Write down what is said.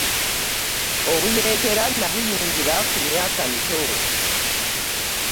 Obuyeekera nabuyingira ku myaka mito.